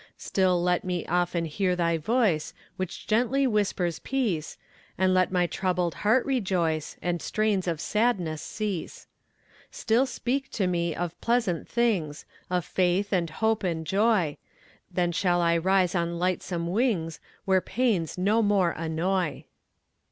Still let me often hear thy voice, Which gently whispers peace, And let my troubled heart rejoice, And strains of sadness cease; Still speak to me of pleasant things Of faith, and hope, and joy; Then shall I rise on lightsome wings Where pains no more annoy.